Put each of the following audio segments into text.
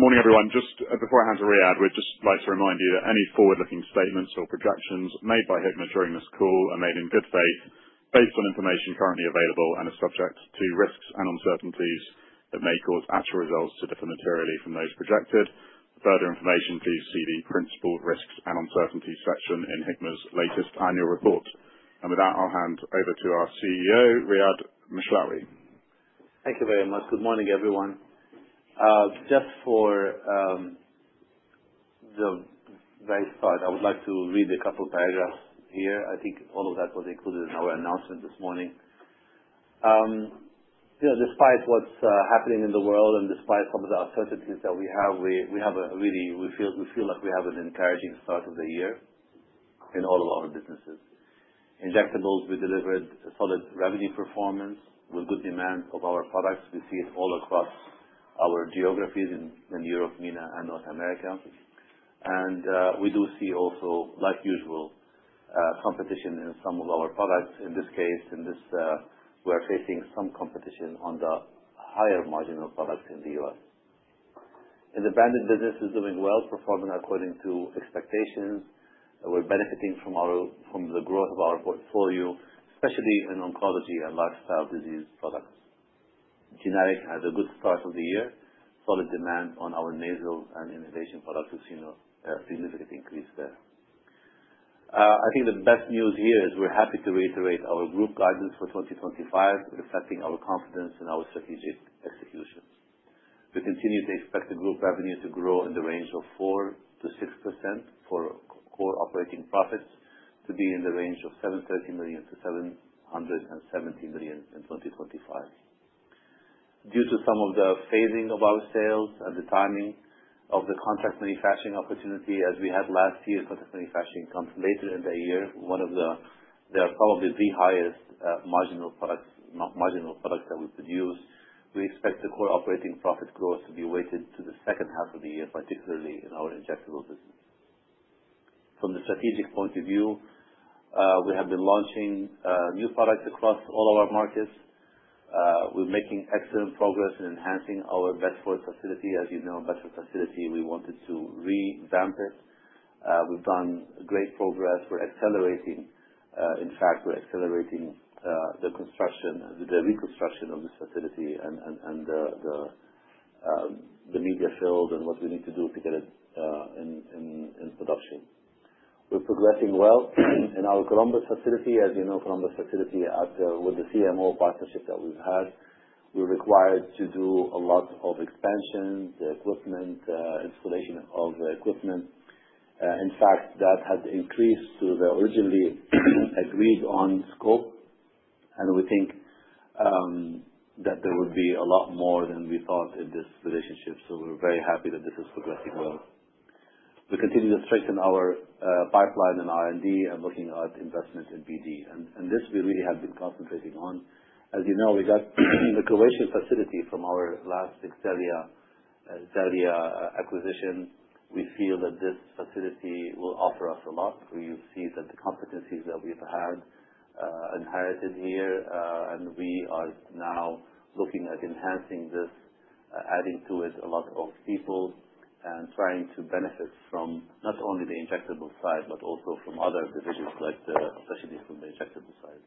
Morning, everyone. Just before I hand to Riad, we'd just like to remind you that any forward-looking statements or projections made by Hikma during this call are made in good faith, based on information currently available, and are subject to risks and uncertainties that may cause actual results to differ materially from those projected. For further information, please see the Principal Risks and Uncertainties section in Hikma's latest annual report. With that, I'll hand over to our CEO, Riad Mishlawi. Thank you very much. Good morning, everyone. Just for the very start, I would like to read a couple of paragraphs here. I think all of that was included in our announcement this morning. Despite what's happening in the world and despite some of the uncertainties that we have, we have a really—we feel like we have an encouraging start of the year in all of our businesses. Injectables, we delivered a solid revenue performance with good demand for our products. We see it all across our geographies in Europe, MENA, and North America. We do see also, like usual, competition in some of our products. In this case, we are facing some competition on the higher margin of products in the U.S.. In the branded business, we're doing well, performing according to expectations. We're benefiting from the growth of our portfolio, especially in oncology and lifestyle disease products. Generic has a good start of the year. Solid demand on our nasal and inhalation products. We've seen a significant increase there. I think the best news here is we're happy to reiterate our group guidance for 2025, reflecting our confidence in our strategic execution. We continue to expect the group revenue to grow in the range of 4% to 6% for core operating profits to be in the range of $730 million to $770 million in 2025. Due to some of the phasing of our sales and the timing of the contract manufacturing opportunity, as we had last year, contract manufacturing comes later in the year. One of the—they are probably the highest marginal products that we produce. We expect the core operating profit growth to be weighted to the second half of the year, particularly in our injectable business. From the strategic point of view, we have been launching new products across all of our markets. We're making excellent progress in enhancing our Bedford facility. As you know, Bedford facility, we wanted to revamp it. We've done great progress. We're accelerating, in fact, we're accelerating the construction, the reconstruction of this facility and the media field and what we need to do to get it in production. We're progressing well in our Columbus facility. As you know, Columbus facility, with the CMO partnership that we've had, we're required to do a lot of expansion, the equipment, installation of equipment. In fact, that has increased to the originally agreed-on scope. We think that there would be a lot more than we thought in this relationship. We are very happy that this is progressing well. We continue to strengthen our pipeline and R&D and looking at investment in BD. This we really have been concentrating on. As you know, we got the Croatian facility from our last Xellia acquisition. We feel that this facility will offer us a lot. We see that the competencies that we've had inherited here, and we are now looking at enhancing this, adding to it a lot of people and trying to benefit from not only the injectable side but also from other divisions, especially from the injectable side.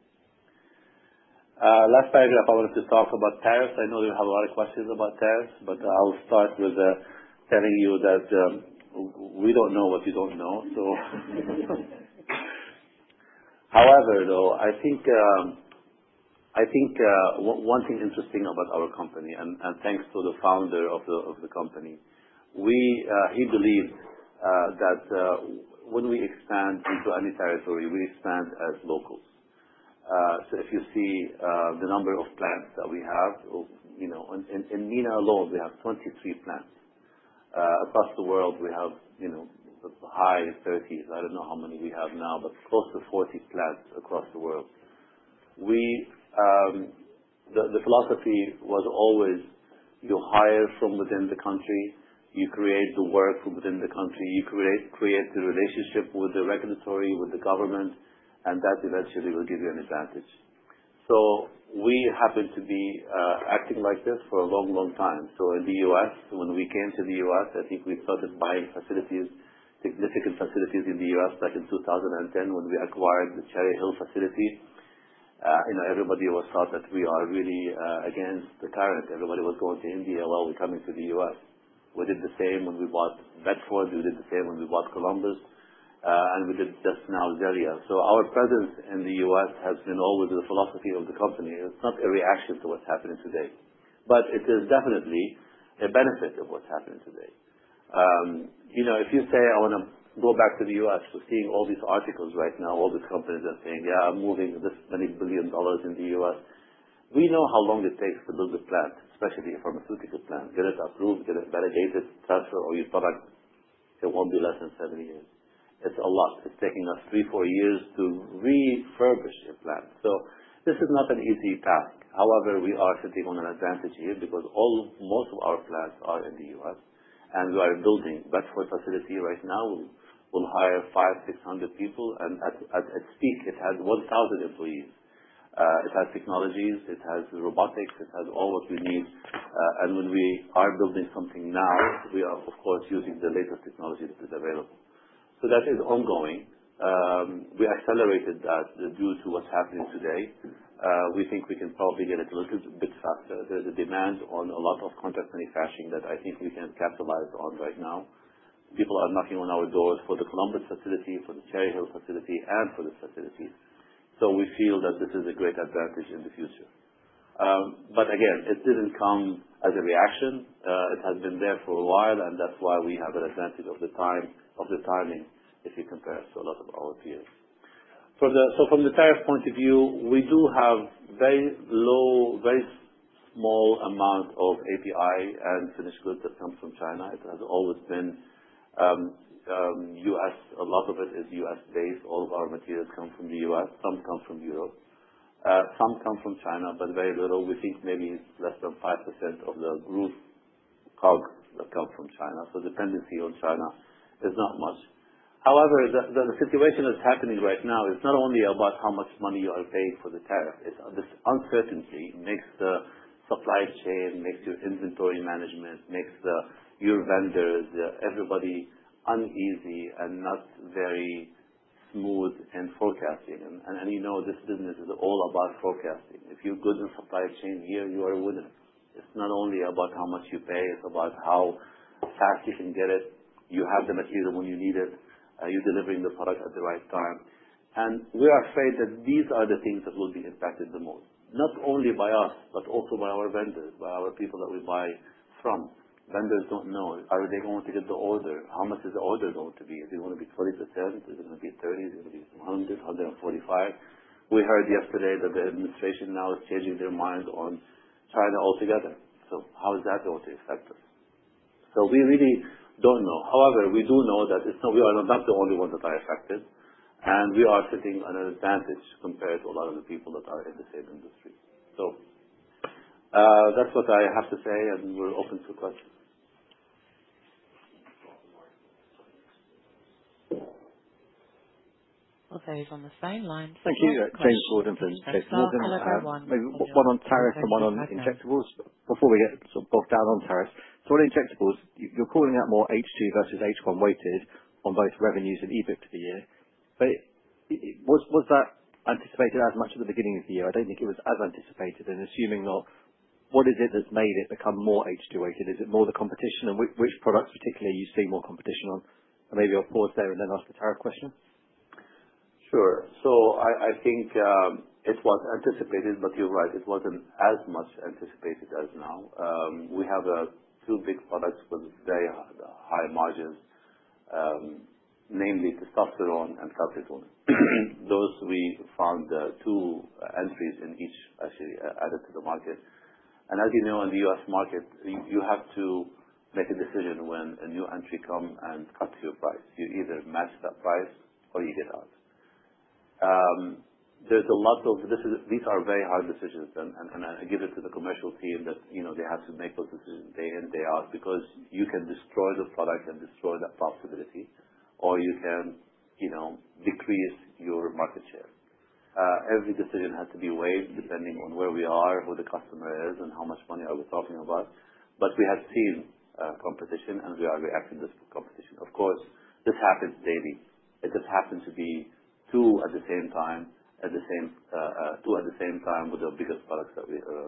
Last paragraph, I wanted to talk about tariffs. I know you have a lot of questions about tariffs, but I'll start with telling you that we don't know what you don't know. However, though, I think one thing interesting about our company, and thanks to the founder of the company, he believed that when we expand into any territory, we expand as locals. If you see the number of plants that we have, in MENA alone, we have 23 plants. Across the world, we have the high 30s. I do not know how many we have now, but close to 40 plants across the world. The philosophy was always, you hire from within the country, you create the work from within the country, you create the relationship with the regulatory, with the government, and that eventually will give you an advantage. We happen to be acting like this for a long, long time. In the U.S., when we came to the U.S., I think we started buying facilities, significant facilities in the U.S. back in 2010 when we acquired the Cherry Hill facility. Everybody thought that we are really against the current. Everybody was going to India. We are coming to the U.S. We did the same when we bought Bedford. We did the same when we bought Columbus. We did just now Xellia. Our presence in the U.S. has always been the philosophy of the company. It's not a reaction to what's happening today, but it is definitely a benefit of what's happening today. If you say, "I want to go back to the U.S.," we're seeing all these articles right now. All these companies are saying, "Yeah, moving this many billion dollars in the U.S." We know how long it takes to build a plant, especially a pharmaceutical plant, get it approved, get it validated, transfer all your product. It will not be less than seven years. It's a lot. It's taking us three, four years to refurbish a plant. This is not an easy task. However, we are sitting on an advantage here because most of our plants are in the U.S., and we are building Bedford facility right now. We'll hire 5,600 people. At peak, it had 1,000 employees. It has technologies. It has robotics. It has all what we need. When we are building something now, we are, of course, using the latest technology that is available. That is ongoing. We accelerated that due to what's happening today. We think we can probably get it a little bit faster. There's a demand on a lot of contract manufacturing that I think we can capitalize on right now. People are knocking on our doors for the Columbus facility, for the Cherry Hill facility, and for this facility. We feel that this is a great advantage in the future. Again, it didn't come as a reaction. It has been there for a while, and that's why we have an advantage of the timing if you compare it to a lot of our peers. From the tariff point of view, we do have very low, very small amount of API and finished goods that come from China. It has always been U.S.. A lot of it is U.S.-based. All of our materials come from the U.S.. Some come from Europe. Some come from China, but very little. We think maybe it's less than 5% of the group COGS that comes from China. Dependency on China is not much. However, the situation that's happening right now is not only about how much money you are paying for the tariff. This uncertainty makes the supply chain, makes your inventory management, makes your vendors, everybody uneasy and not very smooth in forecasting. This business is all about forecasting. If you're good in supply chain here, you are a winner. It's not only about how much you pay. It's about how fast you can get it. You have the material when you need it. You're delivering the product at the right time. We are afraid that these are the things that will be impacted the most, not only by us, but also by our vendors, by our people that we buy from. Vendors do not know. Are they going to get the order? How much is the order going to be? Is it going to be 20%? Is it going to be 30%? Is it going to be 100%, 145%? We heard yesterday that the administration now is changing their mind on China altogether. How is that going to affect us? We really do not know. However, we do know that we are not the only ones that are affected, and we are sitting on an advantage compared to a lot of the people that are in the same industry. That is what I have to say, and we are open to questions. I'll say it on the same line. If you have questions please press star followed by one on your telephone keypad. Thank you, James Gordon, for taking that. I'll have one on tariffs and one on injectables. Before we get bogged down on tariffs, injectables, you're calling out more H2 versus H1 weighted on both revenues and EBIT for the year. Was that anticipated as much at the beginning of the year? I don't think it was as anticipated. Assuming not, what is it that's made it become more H2 weighted? Is it more the competition, and which products particularly do you see more competition on? Maybe I'll pause there and then ask the tariff question. Sure. I think it was anticipated, but you're right. It wasn't as much anticipated as now. We have two big products with very high margins, namely testosterone and calcitonin. Those we found two entries in each, actually, added to the market. As you know, in the U.S. market, you have to make a decision when a new entry comes and cuts your price. You either match that price or you get out. A lot of these are very hard decisions. I give it to the commercial team that they have to make those decisions day in, day out because you can destroy the product and destroy that profitability, or you can decrease your market share. Every decision has to be weighed depending on where we are, who the customer is, and how much money are we talking about. We have seen competition, and we are reacting to this competition. Of course, this happens daily. It just happened to be two at the same time, two at the same time with the biggest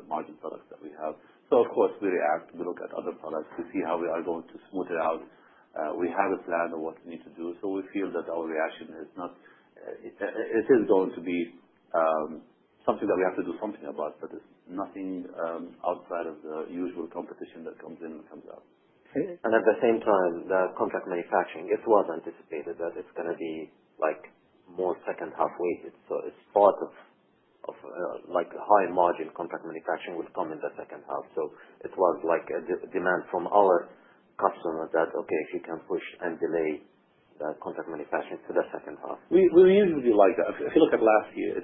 margin products that we have. Of course, we react. We look at other products. We see how we are going to smooth it out. We have a plan of what we need to do. We feel that our reaction is not it is going to be something that we have to do something about, but it's nothing outside of the usual competition that comes in and comes out. At the same time, the contract manufacturing, it was anticipated that it's going to be more second half weighted. It is part of high margin contract manufacturing will come in the second half. It was demand from our customer that, okay, if you can push and delay the contract manufacturing to the second half. We usually like that. If you look at last year,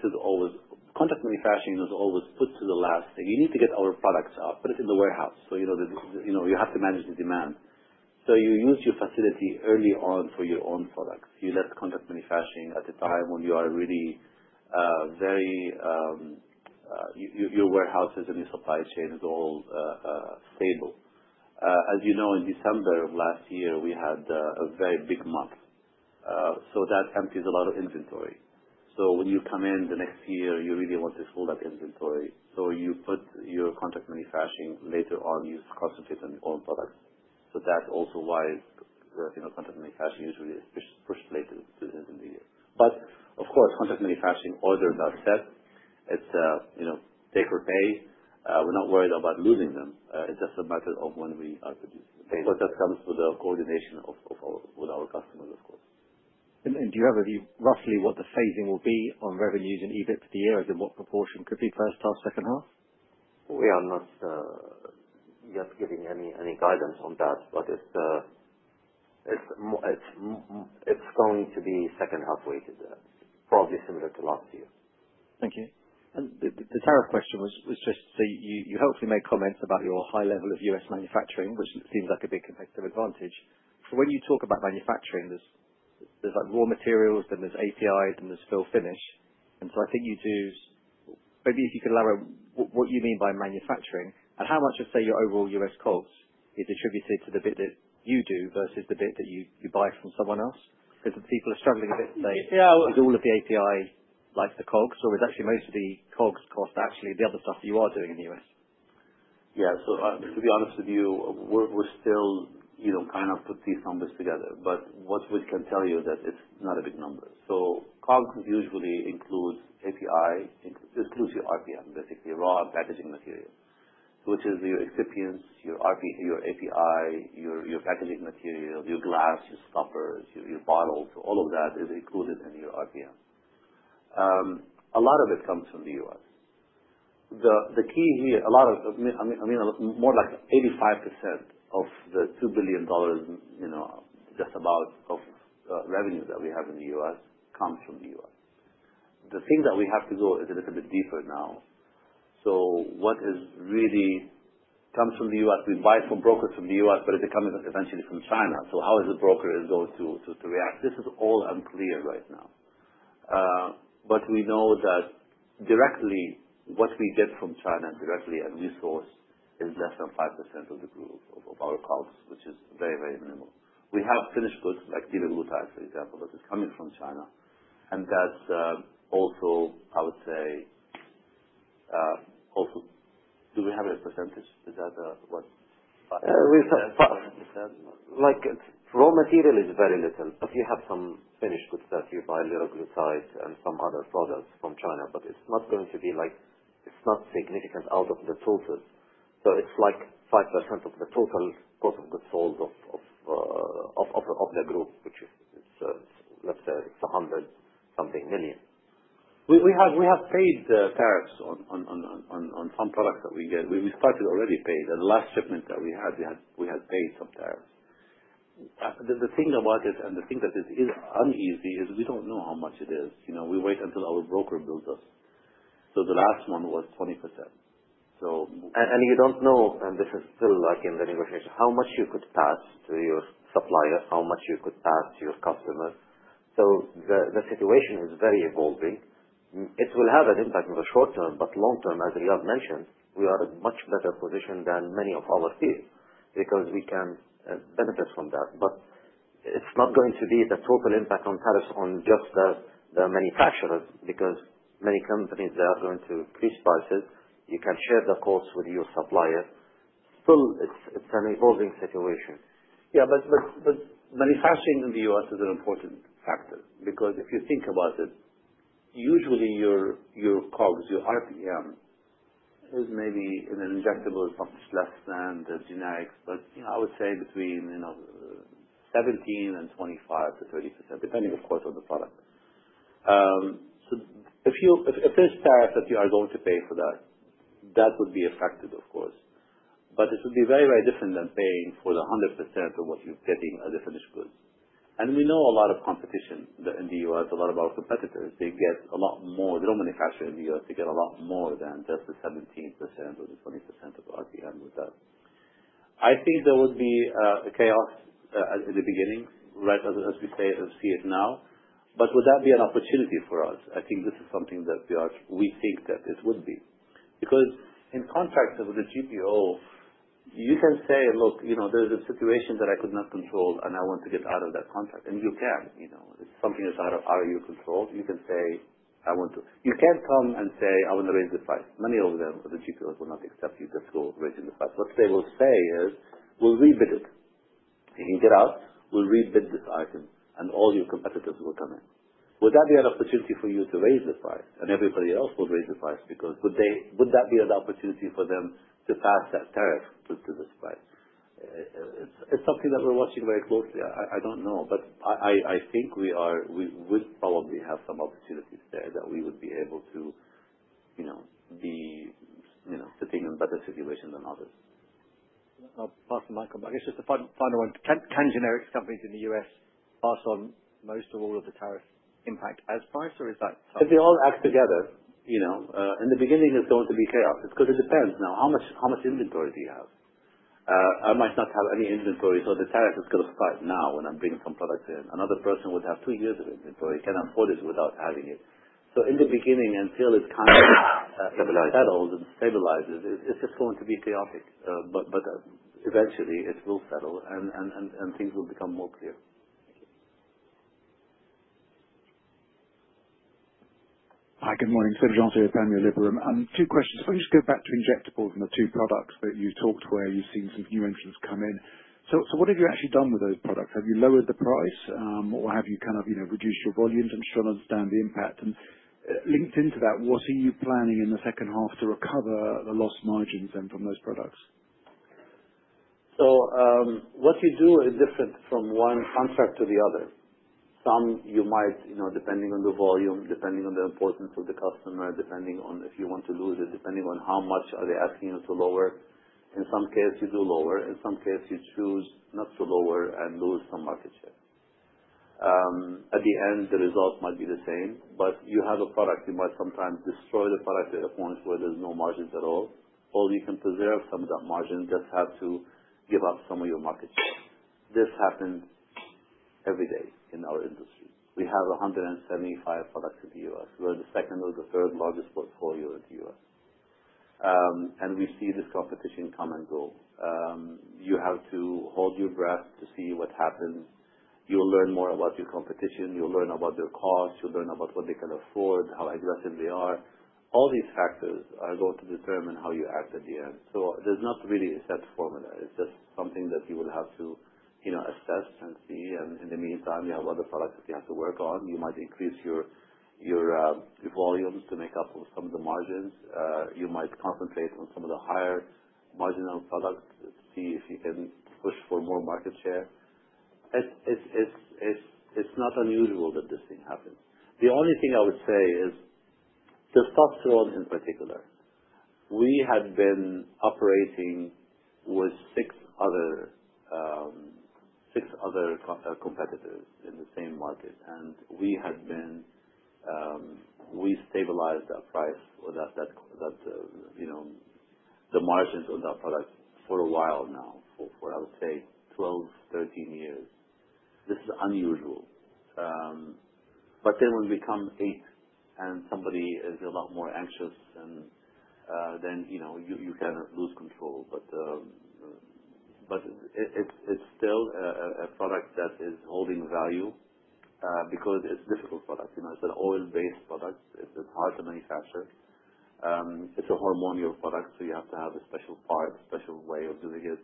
contract manufacturing was always put to the last thing. You need to get our products out, put it in the warehouse. You have to manage the demand. You used your facility early on for your own products. You left contract manufacturing at a time when your warehouses and your supply chain are all stable. As you know, in December of last year, we had a very big month. That empties a lot of inventory. When you come in the next year, you really want to fill that inventory. You put your contract manufacturing later on. You concentrate on your own products. That is also why contract manufacturing usually is pushed later in the year. Of course, contract manufacturing orders are set. It's take or pay. We're not worried about losing them. It's just a matter of when we are producing. Of course, that comes with the coordination with our customers, of course. Do you have roughly what the phasing will be on revenues and EBIT for the year? As in what proportion could be first half, second half? We are not yet giving any guidance on that, but it's going to be second half weighted, probably similar to last year. Thank you. The tariff question was just to say you hopefully made comments about your high level of US manufacturing, which seems like a big competitive advantage. When you talk about manufacturing, there is raw materials, then there is APIs, then there is fill finish. I think you do, maybe if you could elaborate what you mean by manufacturing and how much, let's say, your overall U.S. COGS is attributed to the bit that you do versus the bit that you buy from someone else? Because people are struggling a bit to say, is all of the API like the COGS, or is actually most of the COGS cost actually the other stuff that you are doing in the U.S.? Yeah. To be honest with you, we're still kind of putting these numbers together. What we can tell you is that it's not a big number. COGS usually includes API, exclusive RPM, basically raw packaging material, which is your excipients, your API, your packaging material, your glass, your stoppers, your bottles. All of that is included in your RPM. A lot of it comes from the U.S.. The key here, a lot of, I mean, more like 85% of the $2 billion, just about, of revenue that we have in the U.S. comes from the U.S.. The thing that we have to go is a little bit deeper now. What really comes from the U.S., we buy from brokers from the U.S., but it comes eventually from China. How is the broker going to react? This is all unclear right now. We know that directly what we get from China directly and we source is less than 5% of the group of our COGS, which is very, very minimal. We have finished goods like liraglutide, for example, that is coming from China. And that's also, I would say, also do we have a percentage? Is that what? Like raw material is very little, but you have some finished goods that you buy, liraglutide, and some other products from China. It's not going to be like it's not significant out of the totals. It's like 5% of the total cost of goods sold of the group, which is, let's say, it's 100 something million. We have paid the tariffs on some products that we get. We started already paid. The last shipment that we had, we had paid some tariffs. The thing about it, and the thing that is uneasy, is we do not know how much it is. We wait until our broker bills us. The last one was 20%. You do not know, and this is still in the negotiation, how much you could pass to your supplier, how much you could pass to your customer. The situation is very evolving. It will have an impact in the short term, but long term, as Riad mentioned, we are in a much better position than many of our peers because we can benefit from that. It is not going to be the total impact on tariffs on just the manufacturers because many companies are going to increase prices. You can share the cost with your supplier. Still, it is an evolving situation. Yeah, but manufacturing in the U.S. is an important factor because if you think about it, usually your COGS, your RPM is maybe in an injectable is much less than the generics, but I would say between 17% and 25 to 30%, depending, of course, on the product. If there are tariffs that you are going to pay for that, that would be affected, of course. It would be very, very different than paying for the 100% of what you're getting as a finished good. We know a lot of competition in the U.S., a lot of our competitors. They get a lot more. The raw manufacturer in the U.S., they get a lot more than just the 17.% or the 20% of RPM with that. I think there would be a chaos at the beginning., right, as we see it now. Would that be an opportunity for us? I think this is something that we think that it would be. Because in contracts with the GPO, you can say, "Look, there's a situation that I could not control, and I want to get out of that contract." And you can. It's something that's out of our control. You can say, "I want to." You can't come and say, "I want to raise the price." Many of them with the GPOs will not accept you. Just go raising the price. What they will say is, "We'll rebid it. You can get out. We'll rebid this item, and all your competitors will come in." Would that be an opportunity for you to raise the price? And everybody else will raise the price because would that be an opportunity for them to pass that tariff to this price? It's something that we're watching very closely. I don't know, but I think we would probably have some opportunities there that we would be able to be sitting in a better situation than others. I'll pass the microphone. I guess just a final one. Can generics companies in the U.S. pass on most or all of the tariff impact as price, or is that? If they all act together, in the beginning, it's going to be chaos. It's because it depends now. How much inventory do you have? I might not have any inventory, so the tariff is going to start now when I'm bringing some products in. Another person would have two years of inventory. Can I afford it without having it? In the beginning, until it kind of settles and stabilizes, it's just going to be chaotic. Eventually, it will settle, and things will become more clear. Hi, good morning. Seb Jantet of Panmure Liberum. Two questions. If I can just go back to injectables and the two products that you talked where you've seen some new entrants come in. What have you actually done with those products? Have you lowered the price, or have you kind of reduced your volumes? I'm just trying to understand the impact. Linked into that, what are you planning in the second half to recover the lost margins then from those products? What we do is different from one contract to the other. Some you might, depending on the volume, depending on the importance of the customer, depending on if you want to lose it, depending on how much are they asking you to lower. In some cases, you do lower. In some cases, you choose not to lower and lose some market share. At the end, the result might be the same, but you have a product. You might sometimes destroy the product at a point where there's no margins at all, or you can preserve some of that margin, just have to give up some of your market share. This happens every day in our industry. We have 175 products in the U.S.. We're the second or the third largest portfolio in the U.S.. We see this competition come and go. You have to hold your breath to see what happens. You'll learn more about your competition. You'll learn about their cost. You'll learn about what they can afford, how aggressive they are. All these factors are going to determine how you act at the end. There is not really a set formula. It is just something that you will have to assess and see. In the meantime, you have other products that you have to work on. You might increase your volumes to make up some of the margins. You might concentrate on some of the higher marginal products to see if you can push for more market share. It is not unusual that this thing happens. The only thing I would say is testosterone in particular. We had been operating with six other competitors in the same market, and we stabilized that price or the margins on that product for a while now, for I would say 12, 13 years. This is unusual. When we come eight and somebody is a lot more anxious, you kind of lose control. It is still a product that is holding value because it's a difficult product. It's an oil-based product. It's hard to manufacture. It's a hormonal product, so you have to have a special part, a special way of doing it.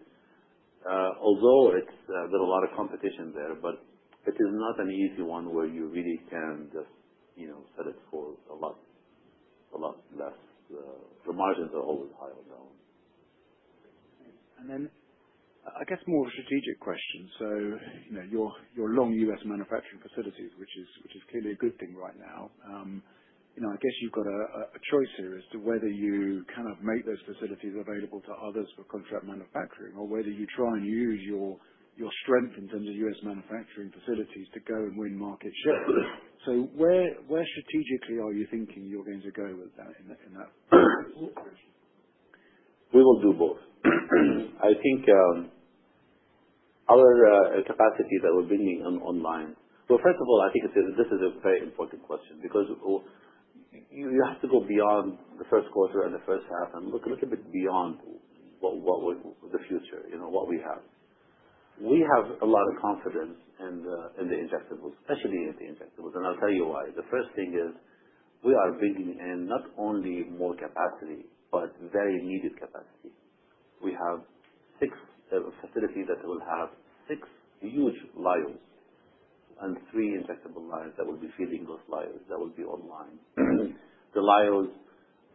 Although there's a lot of competition there, it is not an easy one where you really can just sell it for a lot less. The margins are always high on that one. I guess more strategic questions. Your long U.S. manufacturing facilities, which is clearly a good thing right now, I guess you've got a choice here as to whether you kind of make those facilities available to others for contract manufacturing or whether you try and use your strength in terms of U.S. manufacturing facilities to go and win market share. Where strategically are you thinking you're going to go with that in that? We will do both. I think our capacity that we're bringing online. First of all, I think this is a very important question because you have to go beyond the first quarter and the first half and look a little bit beyond the future, what we have. We have a lot of confidence in the injectables, especially in the injectables. I'll tell you why. The first thing is we are bringing in not only more capacity, but very needed capacity. We have six facilities that will have six huge lyos and three injectable lyos that will be feeding those lyos that will be online. The lyos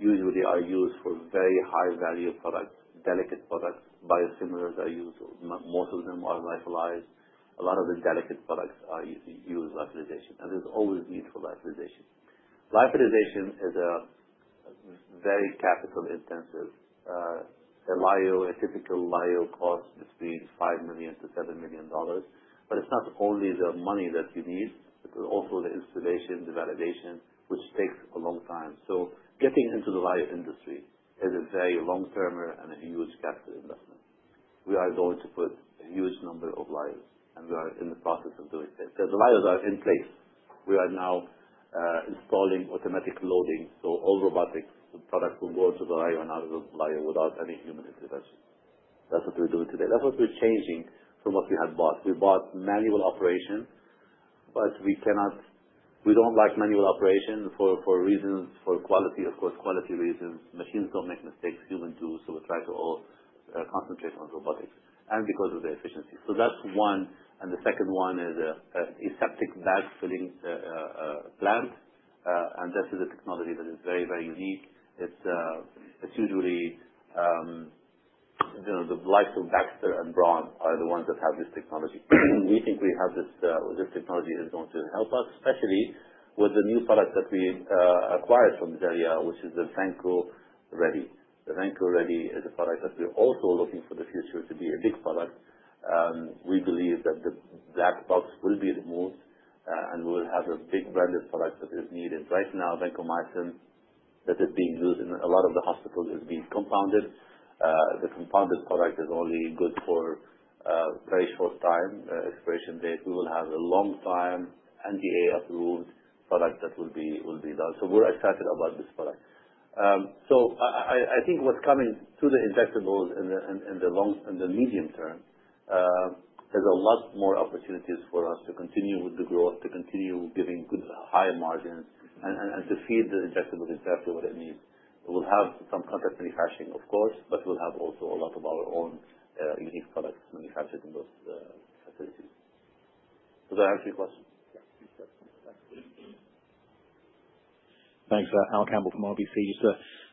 usually are used for very high-value products, delicate products. Biosimilars are used. Most of them are lyophilized. A lot of the delicate products use lyophilization. There is always need for lyophilization. Lyophilization is very capital-intensive. A lyo, a typical ly, costs between $5 million - $7 million. It is not only the money that you need. It is also the installation, the validation, which takes a long time. Getting into the lyo industry is a very long-term and a huge capital investment. We are going to put a huge number of lyos, and we are in the process of doing this. The lyos are in place. We are now installing automatic loading. All robotics, the product will go into the lyo and out of the lyo without any human intervention. That is what we are doing today. That is what we are changing from what we had bought. We bought manual operation, but we do not like manual operation for reasons for quality, of course, quality reasons. Machines do not make mistakes. Humans do. We try to all concentrate on robotics and because of the efficiency. That's one. The second one is an aseptic bag filling plant. This is a technology that is very, very unique. It's usually the likes of Baxter and Braun that have this technology. We think this technology is going to help us, especially with the new products that we acquired from Xellia, which is the Vanco Ready. The Vanco Ready is a product that we're also looking for in the future to be a big product. We believe that that box will be removed, and we will have a big branded product that is needed. Right now, vancomycin that is being used in a lot of the hospitals is being compounded. The compounded product is only good for a very short time, expiration date. We will have a long-time NDA-approved product that will be done. We're excited about this product. I think what's coming to the injectables in the medium term is a lot more opportunities for us to continue with the growth, to continue giving good high margins, and to feed the injectables exactly what it needs. We'll have some contract manufacturing, of course, but we'll have also a lot of our own unique products manufactured in those facilities. Does that answer your question? Yeah. Thanks. Al Campbell from RBC. Just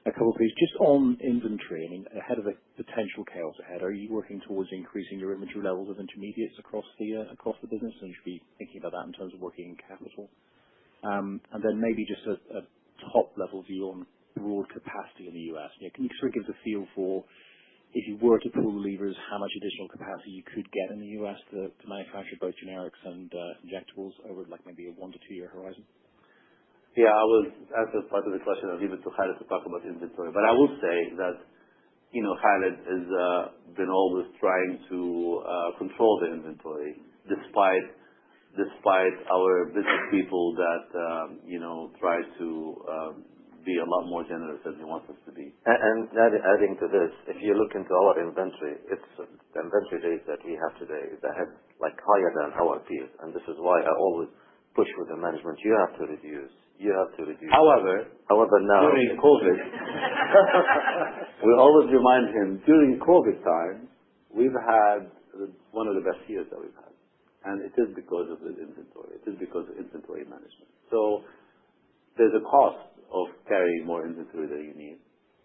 a couple of things. Just on inventory, I mean, ahead of the potential chaos ahead, are you working towards increasing your inventory levels of intermediates across the business? You should be thinking about that in terms of working in capital. Maybe just a top-level view on broad capacity in the U.S.. Can you sort of give us a feel for, if you were to pull the levers, how much additional capacity you could get in the U.S. to manufacture both generics and injectables over maybe a one to two-year horizon? Yeah. As part of the question, I'll leave it to Khalid to talk about inventory. I will say that Khalid has been always trying to control the inventory despite our business people that try to be a lot more generous than he wants us to be. Adding to this, if you look into our inventory, it's the inventory rate that we have today that is higher than our peers. This is why I always push with the management, "You have to reduce. You have to reduce." However, during COVID, we always remind him, "During COVID times, we've had one of the best years that we've had." It is because of the inventory. It is because of inventory management. There is a cost of carrying more inventory than you need,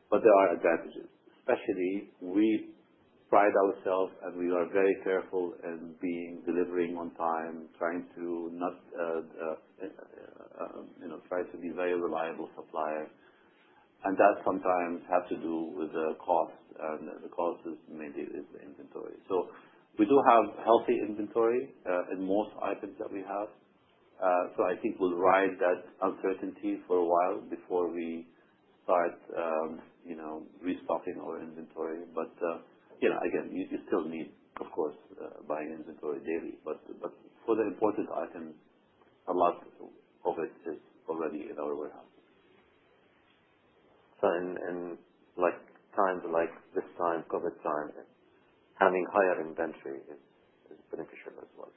but there are advantages. Especially, we pride ourselves, and we are very careful in being delivering on time, trying to not try to be a very reliable supplier. That sometimes has to do with the cost, and the cost is mainly the inventory. We do have healthy inventory in most items that we have. I think we'll ride that uncertainty for a while before we start restocking our inventory. Again, you still need, of course, buying inventory daily. For the important items, a lot of it is already in our warehouses. In times like this time, COVID time, having higher inventory is beneficial as well.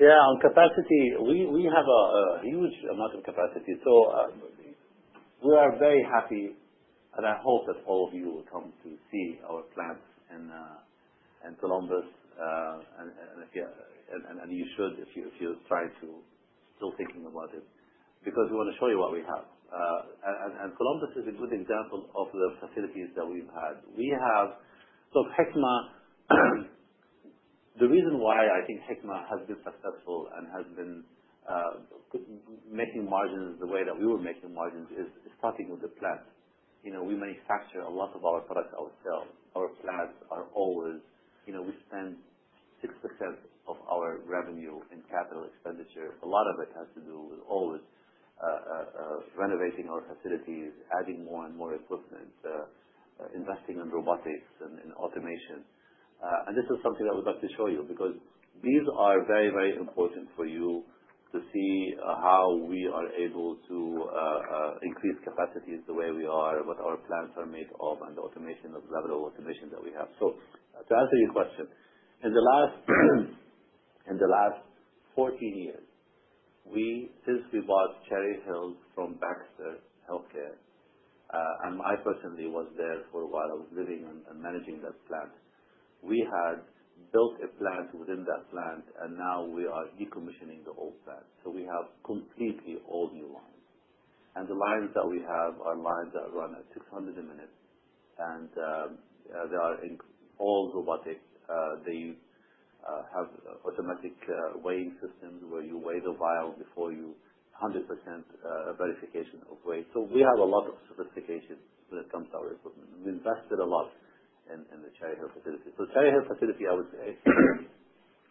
Yeah. On capacity, we have a huge amount of capacity. We are very happy, and I hope that all of you will come to see our plants in Columbus. You should if you're still thinking about it because we want to show you what we have. Columbus is a good example of the facilities that we've had. Hikma, the reason why I think Hikma has been successful and has been making margins the way that we were making margins is starting with the plant. We manufacture a lot of our products ourselves. Our plants are always, we spend 6% of our revenue in capital expenditure. A lot of it has to do with always renovating our facilities, adding more and more equipment, investing in robotics and automation. This is something that we'd like to show you because these are very, very important for you to see how we are able to increase capacity the way we are, what our plants are made of, and the level of automation that we have. To answer your question, in the last 14 years, since we bought Cherry Hill from Baxter Healthcare, and I personally was there for a while, living and managing that plant, we had built a plant within that plant, and now we are decommissioning the old plant. We have completely all new lines. The lines that we have are lines that run at 600 a minute, and they are all robotic. They have automatic weighing systems where you weigh the vial before you 100% verification of weight. We have a lot of sophistication when it comes to our equipment. We invested a lot in the Cherry Hill facility. Cherry Hill facility, I would say,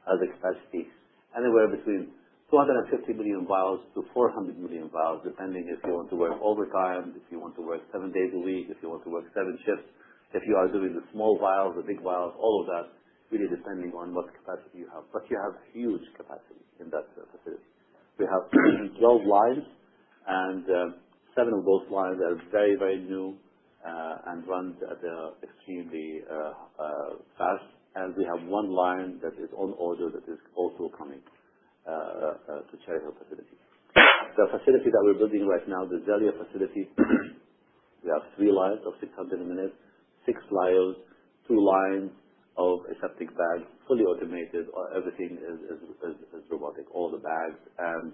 has a capacity anywhere between 250 million vials to 400 million vials, depending if you want to work overtime, if you want to work seven days a week, if you want to work seven shifts, if you are doing the small vials, the big vials, all of that, really depending on what capacity you have. You have huge capacity in that facility. We have 12 lines, and seven of those lines are very, very new and run extremely fast. We have one line that is on order that is also coming to Cherry Hill facility. The facility that we're building right now, the Xellia facility, we have three lines of 600 a minute, six lyos, two lines of aseptic bags, fully automated. Everything is robotic, all the bags and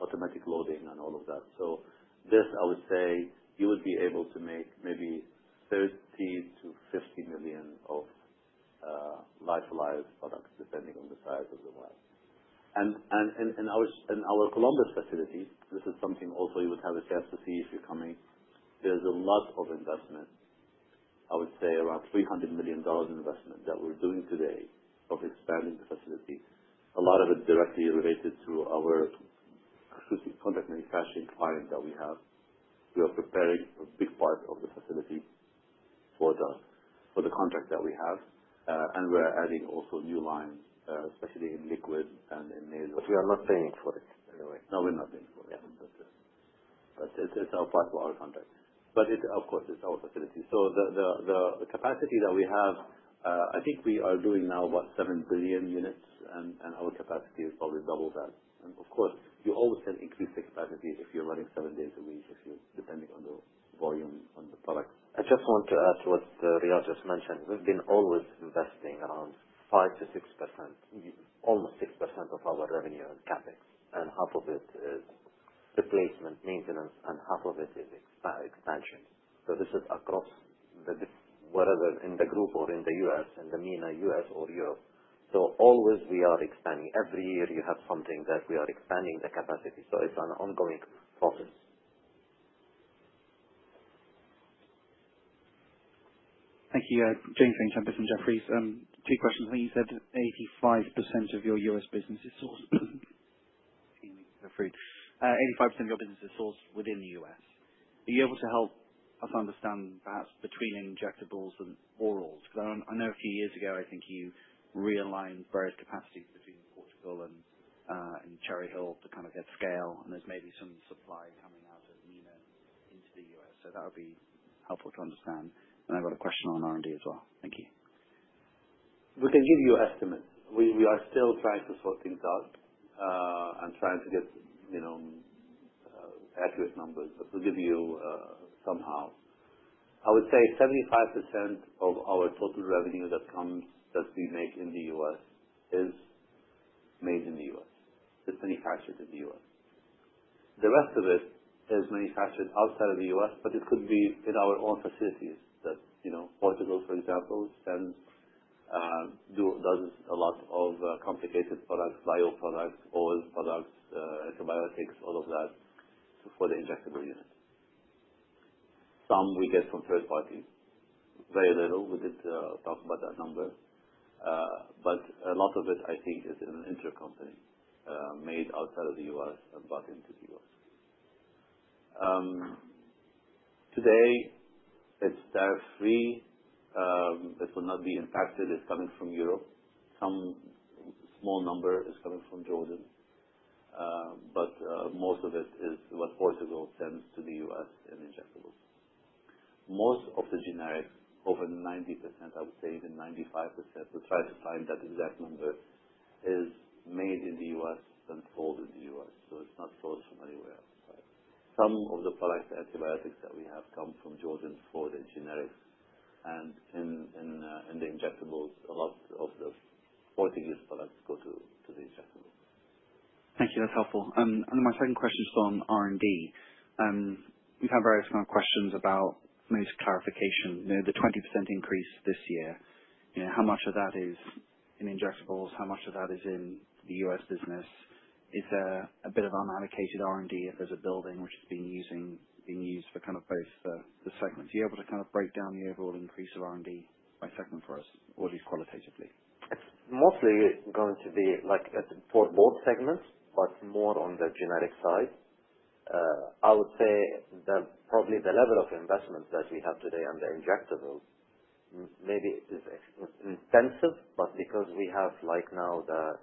automatic loading and all of that. I would say you would be able to make maybe 30 million to 50 million of lyophilized products depending on the size of the vial. In our Columbus facility, this is something also you would have a chance to see if you're coming. There's a lot of investment, I would say around $300 million investment that we're doing today of expanding the facility. A lot of it directly related to our contract manufacturing client that we have. We are preparing a big part of the facility for the contract that we have. We're adding also new lines, especially in liquid and in. We are not paying for it anyway. No, we're not paying for it. It's a part of our contract. Of course, it's our facility. The capacity that we have, I think we are doing now about 7 billion units, and our capacity is probably double that. Of course, you always can increase the capacity if you're running seven days a week, depending on the volume on the product. I just want to add to what Riad just mentioned. We've been always investing around 5% to 6%, almost 6% of our revenue in CapEx, and half of it is replacement maintenance, and half of it is expansion. This is across wherever in the group or in the U.S.,, in the MENA U.S. or Europe. We are always expanding. Every year you have something that we are expanding the capacity. It's an ongoing process. Thank you, James Vane-Tempest from Jefferies. Two questions. I think you said 85% of your U.S. business is sourced. 85% of your business is sourced within the U.S.. Are you able to help us understand perhaps between injectables and orals? Because I know a few years ago, I think you realigned various capacities between Portugal and Cherry Hill to kind of get scale, and there is maybe some supply coming out of MENA into the U.S.. That would be helpful to understand. I have got a question on R&D as well. Thank you. We can give you estimates. We are still trying to sort things out and trying to get accurate numbers, but we'll give you somehow. I would say 75% of our total revenue that we make in the U.S. is made in the U.S.. It's manufactured in the U.S.. The rest of it is manufactured outside of the U.S., but it could be in our own facilities. Portugal, for example, does a lot of complicated products, lyo products, oral products, antibiotics, all of that for the injectable units. Some we get from third parties. Very little. We didn't talk about that number. A lot of it, I think, is in an intercompany made outside of the U.S. and bought into the U.S.. Today, it's tariff free. It will not be impacted. It's coming from Europe. Some small number is coming from Jordan. Most of it is what Portugal sends to the U.S. in injectables. Most of the generics, over 90%, I would say even 95%, we're trying to find that exact number, is made in the U.S. and sold in the U.S.. It is not sourced from anywhere else. Some of the products, the antibiotics that we have, come from Jordan for the generics. In the injectables, a lot of the Portuguese products go to the injectables. Thank you. That's helpful. My second question is on R&D. We've had various kind of questions about some of this clarification. The 20% increase this year, how much of that is in injectables? How much of that is in the U.S. business? Is there a bit of unallocated R&D if there's a building which is being used for both the segments? Are you able to break down the overall increase of R&D by segment for us, or at least qualitatively? It's mostly going to be for both segments, but more on the generic side. I would say that probably the level of investment that we have today on the injectables maybe is expensive, but because we have now the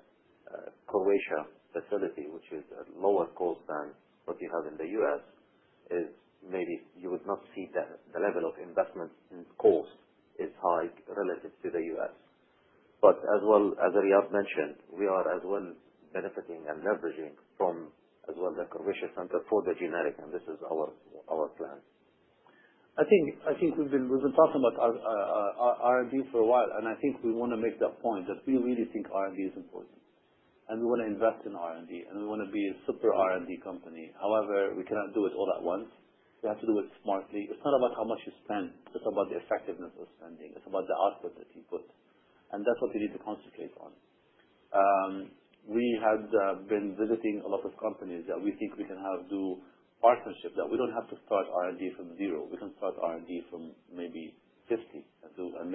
Croatia facility, which is a lower cost than what you have in the U.S., maybe you would not see that the level of investment cost is high relative to the U.S.. As Riad mentioned, we are as well benefiting and leveraging from as well the Croatia center for the generic, and this is our plan. I think we've been talking about R&D for a while, and I think we want to make the point that we really think R&D is important. We want to invest in R&D, and we want to be a super R&D company. However, we cannot do it all at once. We have to do it smartly. It's not about how much you spend. It's about the effectiveness of spending. It's about the output that you put. That's what you need to concentrate on. We had been visiting a lot of companies that we think we can have do partnerships that we don't have to start R&D from zero. We can start R&D from maybe 50 and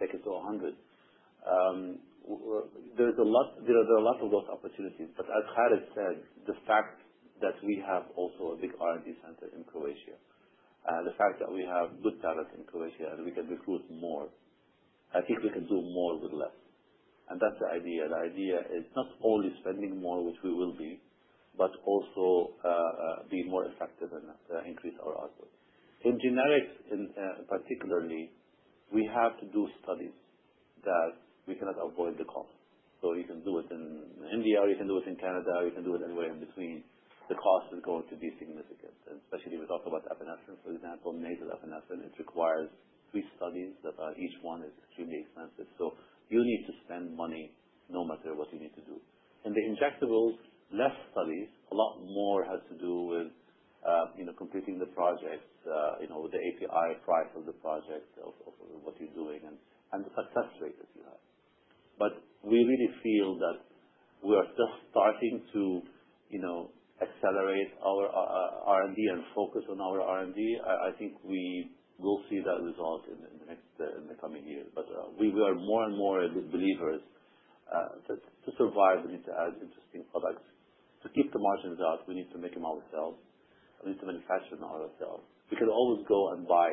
take it to 100. There are a lot of those opportunities. As Khalid said, the fact that we have also a big R&D center in Croatia, the fact that we have good talent in Croatia, and we can recruit more, I think we can do more with less. That's the idea. The idea is not only spending more, which we will be, but also be more effective and increase our output. In generics particularly, we have to do studies that we cannot avoid the cost. You can do it in India, or you can do it in Canada, or you can do it anywhere in between. The cost is going to be significant. Especially we talk about epinephrine, for example, nasal epinephrine, it requires three studies that each one is extremely expensive. You need to spend money no matter what you need to do. In the injectables, less studies. A lot more has to do with completing the project, the API price of the project, what you're doing, and the success rate that you have. We really feel that we are just starting to accelerate our R&D and focus on our R&D. I think we will see that result in the coming years. We are more and more believers that to survive, we need to add interesting products. To keep the margins up, we need to make them ourselves. We need to manufacture them ourselves. We can always go and buy,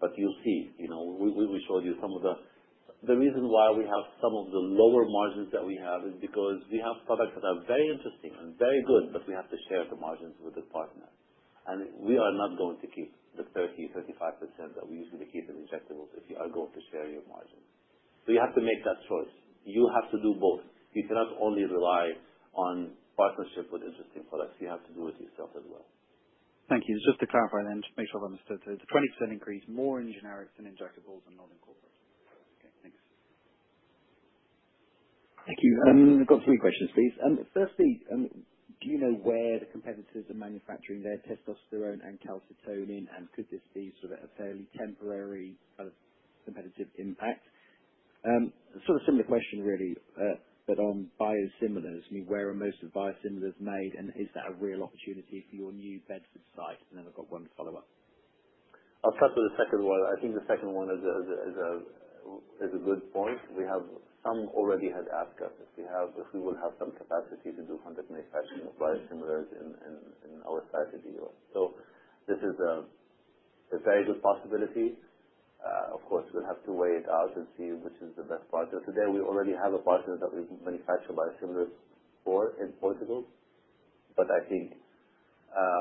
but you'll see. We showed you some of the reason why we have some of the lower margins that we have is because we have products that are very interesting and very good, but we have to share the margins with the partner. We are not going to keep the 30, 35% that we usually keep in injectables if you are going to share your margins. You have to make that choice. You have to do both. You cannot only rely on partnership with interesting products. You have to do it yourself as well. Thank you. Just to clarify then to make sure I've understood, the 20% increase more in generics than injectables and not in corporate. Okay. Thanks. Thank you. I've got three questions, please. Firstly, do you know where the competitors are manufacturing their testosterone and calcitonin? And could this be sort of a fairly temporary kind of competitive impact? Sort of similar question really, but on biosimilars. Where are most of the biosimilars made, and is that a real opportunity for your new Bedford site? And then I've got one follow-up. I'll start with the second one. I think the second one is a good point. We have some already had asked us if we will have some capacity to do 100 manufacturing of biosimilars in our site in the U.S.. This is a very good possibility. Of course, we'll have to weigh it out and see which is the best partner. Today, we already have a partner that we manufacture biosimilars for in Portugal. I think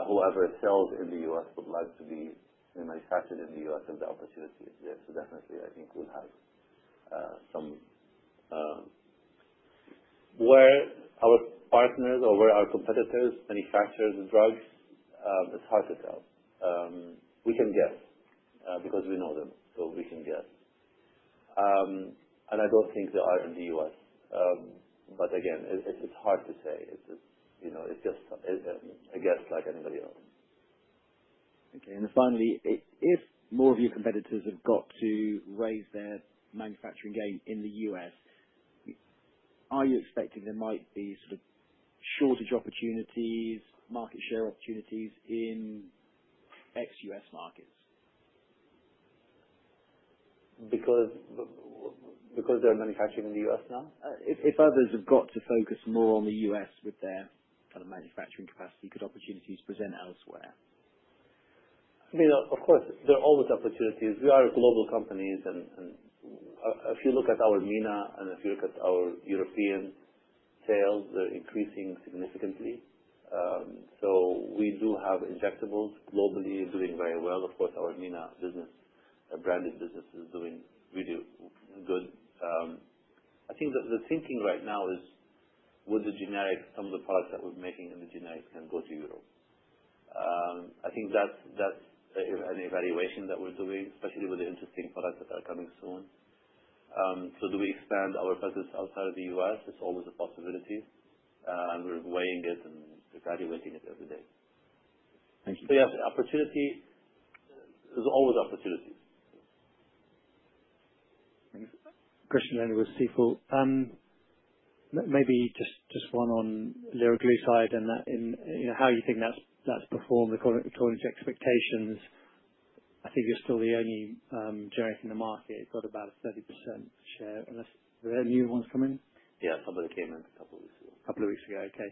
whoever sells in the U.S. would like to be manufactured in the U.S. if the opportunity is there. Definitely, I think we'll have some. Where our partners or where our competitors manufacture the drugs, it's hard to tell. We can guess because we know them. We can guess. I don't think they are in the U.S.. Again, it's hard to say. It's just a guess like anybody else. Okay. Finally, if more of your competitors have got to raise their manufacturing gain in the U.S., are you expecting there might be sort of shortage opportunities, market share opportunities in ex-U.S.. markets? Because they're manufacturing in the U.S. now? If others have got to focus more on the U.S. with their kind of manufacturing capacity, could opportunities present elsewhere? I mean, of course, there are always opportunities. We are global companies. And if you look at our MENA and if you look at our European sales, they're increasing significantly. So we do have injectables globally doing very well. Of course, our MENA business, the branded business, is doing really good. I think the thinking right now is with the generics, some of the products that we're making in the generics can go to Europe. I think that's an evaluation that we're doing, especially with the interesting products that are coming soon. Do we expand our presence outside of the U.S.? It's always a possibility. We're weighing it and evaluating it every day. Thank you. Yes, opportunity is always opportunity. Thanks. Christian Glennie with Stifel. Maybe just one on Liraglutide and how you think that's performed according to expectations. I think you're still the only generic in the market. You've got about a 30% share. Are there new ones coming? Yeah. A couple that came in a couple of weeks ago. A couple of weeks ago. Okay.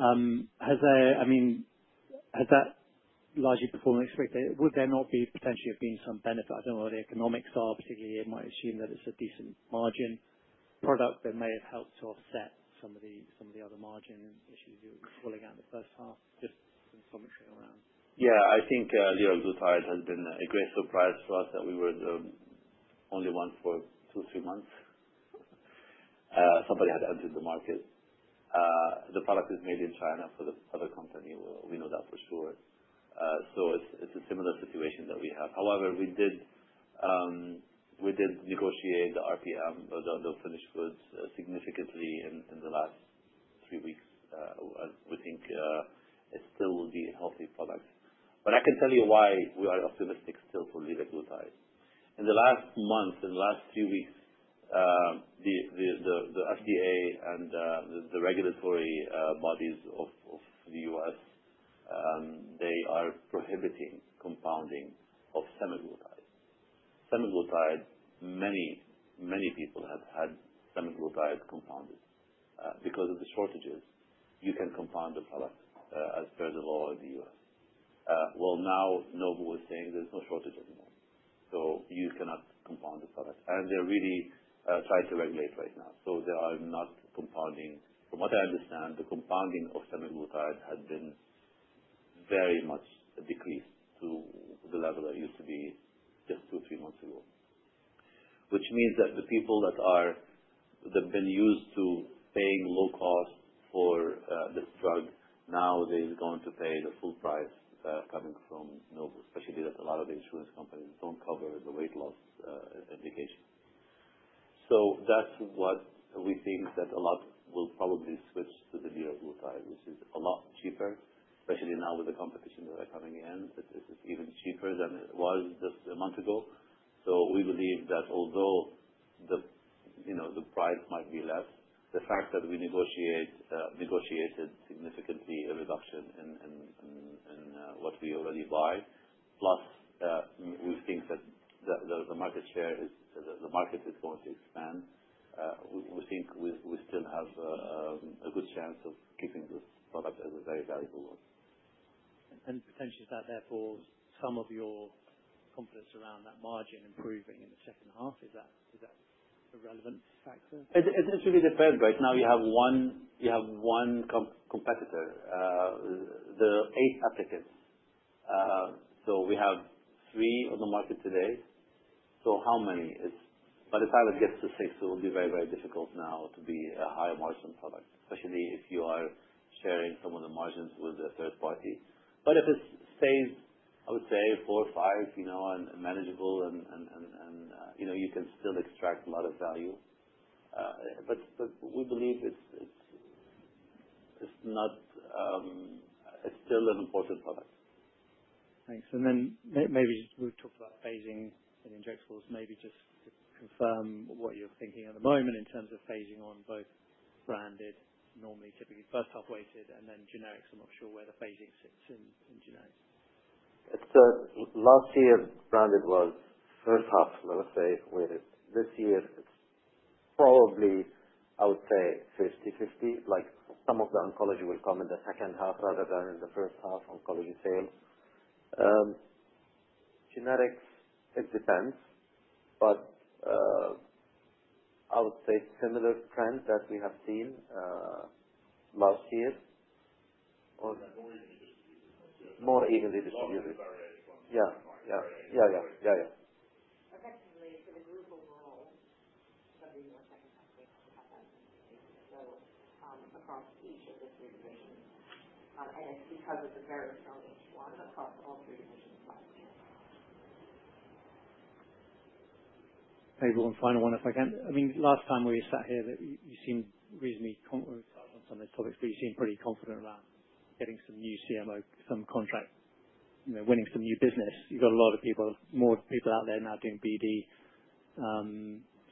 I mean, has that largely performed as expected? Would there not be potentially been some benefit? I do not know what the economics are, particularly. You might assume that it is a decent margin product that may have helped to offset some of the other margin issues you were calling out in the first half. Just some commentary around. Yeah. I think liraglutide has been a great surprise for us that we were the only ones for two, three months. Somebody had entered the market. The product is made in China for the other company. We know that for sure. So it's a similar situation that we have. However, we did negotiate the RPM, the finished goods, significantly in the last three weeks. We think it still will be a healthy product. I can tell you why we are optimistic still for Liraglutide. In the last month, in the last three weeks, the FDA and the regulatory bodies of the U.S., they are prohibiting compounding of semaglutide. Semaglutide, many people have had semaglutide compounded because of the shortages. You can compound the product as per the law in the U.S. Now Novo is saying there's no shortage anymore. You cannot compound the product. They are really trying to regulate right now. They are not compounding. From what I understand, the compounding of semaglutide had been very much decreased to the level that it used to be just two, three months ago, which means that the people that have been used to paying low cost for this drug, now they are going to pay the full price coming from Novo, especially that a lot of the insurance companies do not cover the weight loss indication. That is what we think, that a lot will probably switch to the liraglutide, which is a lot cheaper, especially now with the competition that are coming in. It is even cheaper than it was just a month ago. We believe that although the price might be less, the fact that we negotiated significantly a reduction in what we already buy, plus we think that the market share is the market is going to expand, we think we still have a good chance of keeping this product as a very valuable one. Is that therefore some of your confidence around that margin improving in the second half? Is that a relevant factor? It really depends. Right now, you have one competitor, the eight applicants. We have three on the market today. How many? By the time it gets to six, it will be very, very difficult now to be a high-margin product, especially if you are sharing some of the margins with a third party. If it stays, I would say, four or five and manageable, you can still extract a lot of value. We believe it is still an important product. Thanks. Maybe we've talked about phasing in injectables. Maybe just to confirm what you're thinking at the moment in terms of phasing on both branded, normally, typically first half weighted, and then generics. I'm not sure where the phasing sits in generics. Last year, branded was first half, let's say, weighted. This year, it's probably, I would say, 50/50. Some of the oncology will come in the second half rather than in the first half oncology sale. Generics, it depends. I would say similar trend that we have seen last year. Or more evenly distributed. More evenly distributed. Yeah. Yeah. Yeah. Yeah. Effectively, for the group overall, somebody in the second half weighted to have that in the eighth and so on across each of the three divisions. It is because it is a very strong H1 across all three divisions last year. Maybe one final one if I can. I mean, last time we sat here, you seemed reasonably confident on some of these topics, but you seemed pretty confident around getting some new CMO, some contract, winning some new business. You've got a lot of people, more people out there now doing BD.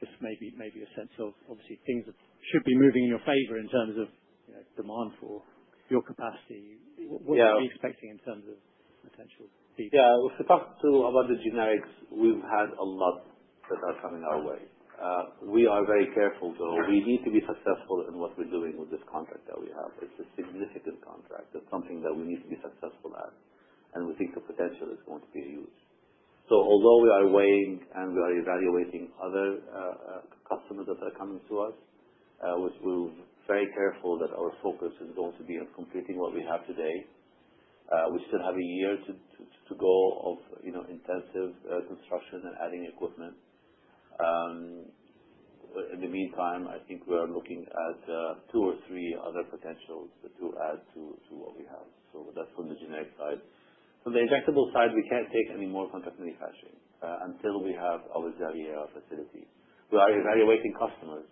Just maybe a sense of, obviously, things that should be moving in your favor in terms of demand for your capacity. What are you expecting in terms of potential BD? Yeah. With regards to about the generics, we've had a lot that are coming our way. We are very careful, though. We need to be successful in what we're doing with this contract that we have. It's a significant contract. It's something that we need to be successful at. We think the potential is going to be huge. Although we are weighing and we are evaluating other customers that are coming to us, we're very careful that our focus is going to be on completing what we have today. We still have a year to go of intensive construction and adding equipment. In the meantime, I think we are looking at two or three other potentials to add to what we have. That's from the generic side. From the injectable side, we can't take any more contract manufacturing until we have our Xellia facility. We are evaluating customers.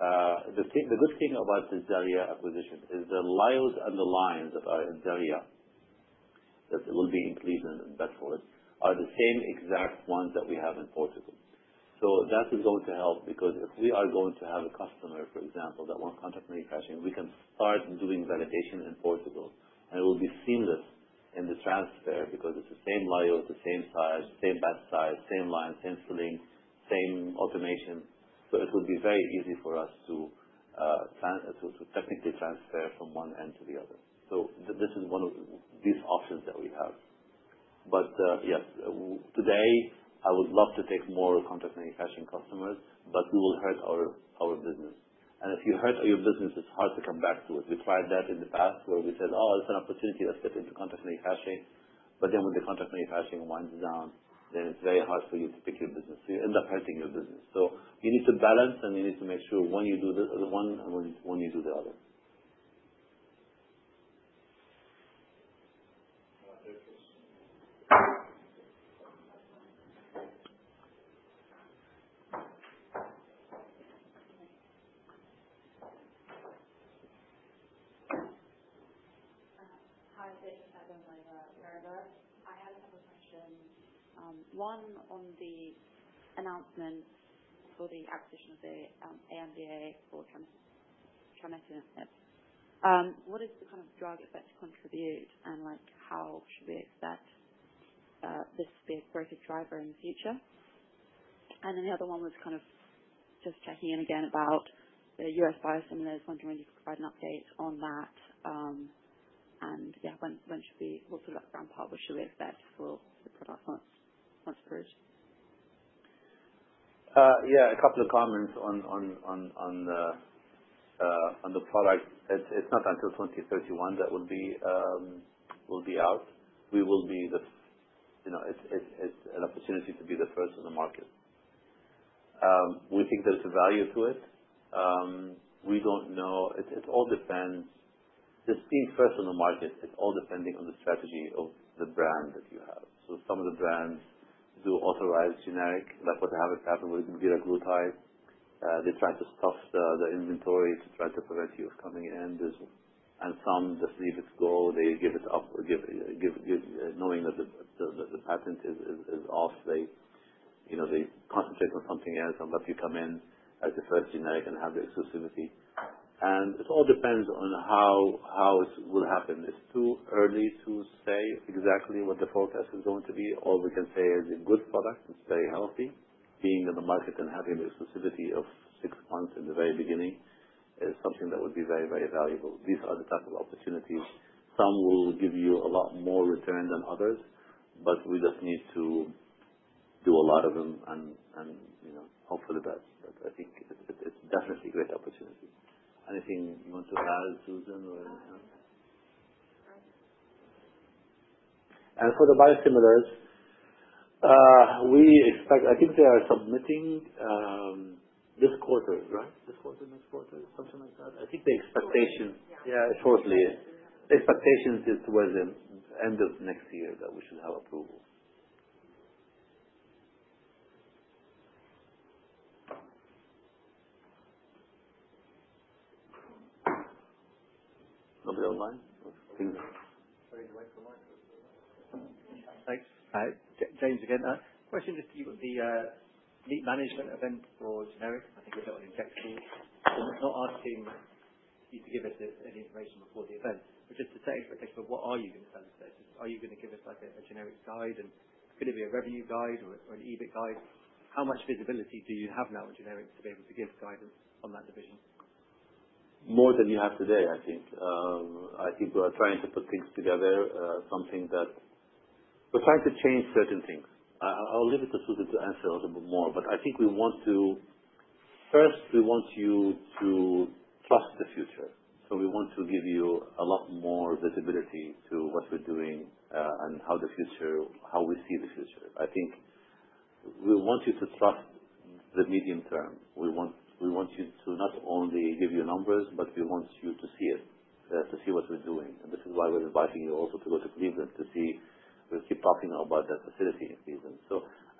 The good thing about the Xerllia acquisition is the lyos and the lines that are in Xellia that will be in Cleveland and Bedford are the same exact ones that we have in Portugal. That is going to help because if we are going to have a customer, for example, that wants contract manufacturing, we can start doing validation in Portugal. It will be seamless in the transfer because it is the same lyos, the same size, same batch size, same line, same filling, same automation. It will be very easy for us to technically transfer from one end to the other. This is one of these options that we have. Yes, today, I would love to take more contract manufacturing customers, but we will hurt our business. If you hurt your business, it is hard to come back to it. We tried that in the past where we said, "Oh, it's an opportunity. Let's get into contract manufacturing." When the contract manufacturing winds down, then it's very hard for you to pick your business. You end up hurting your business. You need to balance, and you need to make sure when you do the one and when you do the other. Hi, Victoria Lambert with Berenberg. I had a couple of questions. One on the announcement for the acquisition of the ANDA for trimethylene. What is the kind of drug effect to contribute, and how should we expect this to be a growth driver in the future? The other one was kind of just checking in again about the U.S. biosimilars. Wondering if you could provide an update on that. Yeah, what sort of upfront part will we expect for the product once approved? Yeah. A couple of comments on the product. It's not until 2031 that will be out. We will be the, it's an opportunity to be the first in the market. We think there's a value to it. We don't know. It all depends. Just being first in the market, it's all depending on the strategy of the brand that you have. Some of the brands do authorize generic, like what happened with liraglutide. They try to stuff the inventory to try to prevent you from coming in. Some just leave it go. They give it up knowing that the patent is off. They concentrate on something else and let you come in as the first generic and have the exclusivity. It all depends on how it will happen. It's too early to say exactly what the forecast is going to be. All we can say is a good product and stay healthy, being in the market and having the exclusivity of six months in the very beginning is something that would be very, very valuable. These are the type of opportunities. Some will give you a lot more return than others, but we just need to do a lot of them. Hopefully, that, I think, is definitely a great opportunity. Anything you want to add, Susan, or anything else? All right. For the biosimilars, we expect, I think they are submitting this quarter, right? This quarter, next quarter, something like that? I think the expectation, yeah, shortly. The expectation is towards the end of next year that we should have approval. Nobody online? Things are? Sorry, the mic's on my side. Thanks. Hi. James again. Question just to you about the lead management event for generics. I think you'll get one injectable. It's not asking you to give us any information before the event, but just to set expectations for what are you going to tell us there? Are you going to give us a generic guide? Could it be a revenue guide or an EBIT guide? How much visibility do you have now in generics to be able to give guidance on that division? More than you have today, I think. I think we're trying to put things together, something that we're trying to change certain things. I'll leave it to Susan to answer a little bit more. I think we want to first, we want you to trust the future. We want to give you a lot more visibility to what we're doing and how the future, how we see the future. I think we want you to trust the medium term. We want you to not only give you numbers, but we want you to see it, to see what we're doing. This is why we're inviting you also to go to Cleveland to see. We'll keep talking about that facility in Cleveland.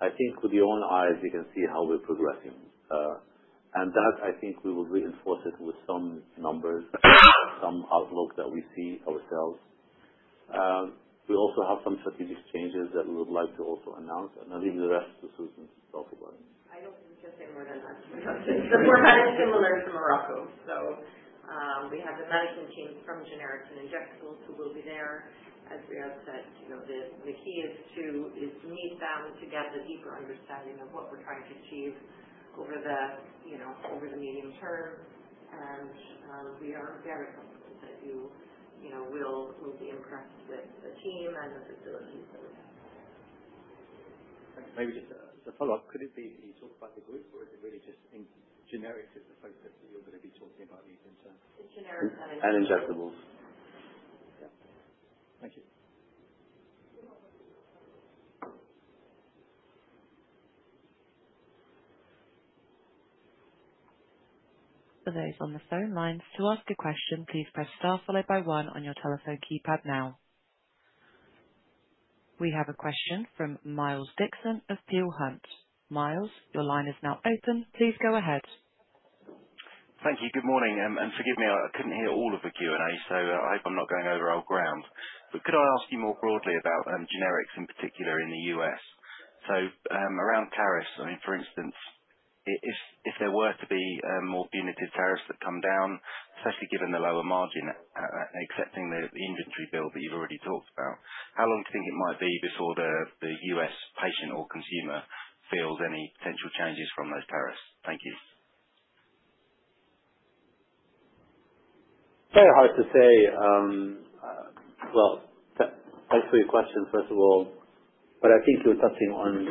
I think with your own eyes, you can see how we're progressing. I think we will reinforce it with some numbers, some outlook that we see ourselves. We also have some strategic changes that we would like to also announce. I'll leave the rest to Susan to talk about it. I don't think we can say more than that. We're headed similar to Morocco. We have the management team from generics and injectables who will be there. As Riad said, the key is to meet them to get the deeper understanding of what we're trying to achieve over the medium term. We are very confident that you will be impressed with the team and the facilities that we have. Thanks. Maybe just a follow-up. Could it be that you talk about the group, or is it really just in generics is the focus that you're going to be talking about medium term? In generics and injectables. And injectables. Yeah. Thank you. For those on the phone lines to ask a question, please press star followed by one on your telephone keypad now. We have a question from Miles Dixon of Peel Hunt. Miles, your line is now open. Please go ahead. Thank you. Good morning. Forgive me, I couldn't hear all of the Q&A, so I hope I'm not going over old ground. Could I ask you more broadly about generics in particular in the U.S.? Around tariffs, I mean, for instance, if there were to be more punitive tariffs that come down, especially given the lower margin, accepting the inventory bill that you've already talked about, how long do you think it might be before the U.S. patient or consumer feels any potential changes from those tariffs? Thank you. Very hard to say. Thanks for your questions, first of all. I think you were touching on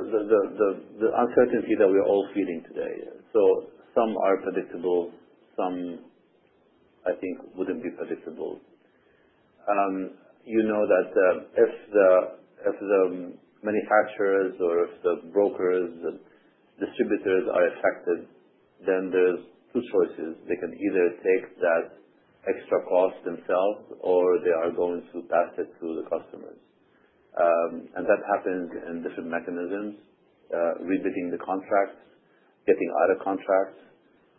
the uncertainty that we're all feeling today. Some are predictable. Some, I think, would not be predictable. You know that if the manufacturers or if the brokers and distributors are affected, then there are two choices. They can either take that extra cost themselves, or they are going to pass it to the customers. That happens in different mechanisms: rebidding the contracts, getting out of contracts,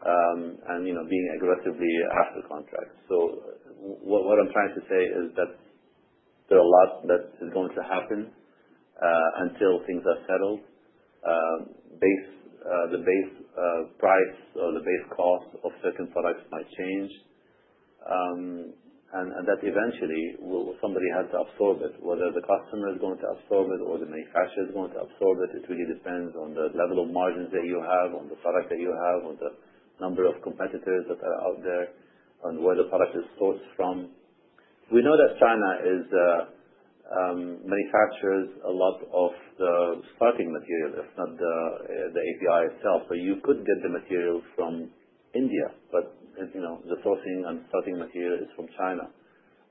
and being aggressively after contracts. What I'm trying to say is that there is a lot that is going to happen until things are settled. The base price or the base cost of certain products might change. That eventually will somebody have to absorb it. Whether the customer is going to absorb it or the manufacturer is going to absorb it, it really depends on the level of margins that you have, on the product that you have, on the number of competitors that are out there, on where the product is sourced from. We know that China manufactures a lot of the starting material, if not the API itself. You could get the material from India, but the sourcing and starting material is from China.